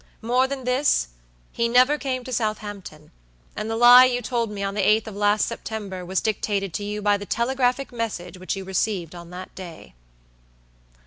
More than this, he never came to Southampton; and the lie you told me on the 8th of last September was dictated to you by the telegraphic message which you received on that day."